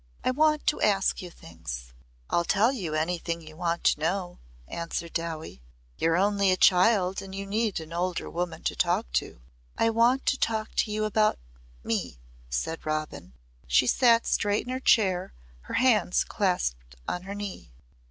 "I want to ask you things." "I'll tell you anything you want to know," answered Dowie. "You're only a child and you need an older woman to talk to." "I want to talk to you about me," said Robin. She sat straight in her chair, her hands clasped on her knee.